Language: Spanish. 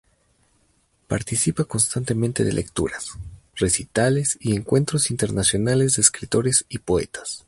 Participa constantemente de lecturas, recitales y encuentros internacionales de escritores y poetas.